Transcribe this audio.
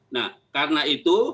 nah karena itu